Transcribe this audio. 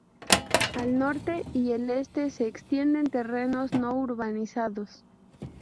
Al norte y el este se extienden terrenos no urbanizados.